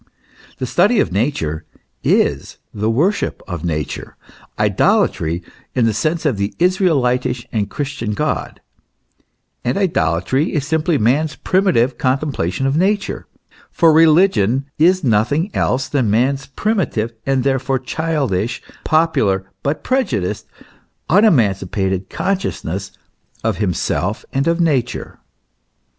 The study of Nature is the worship of Nature idolatry in the sense of the Israeli tish and Christian God ; and idolatry is simply man's primitive contemplation of nature ; for religion is nothing else than man's primitive and therefore childish, popular, but prejudiced, un emancipated consciousness of himself and of Nature.